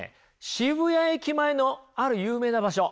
渋谷駅前のある有名な場所。